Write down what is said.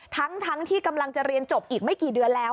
ทั้งที่กำลังจะเรียนจบอีกไม่กี่เดือนแล้ว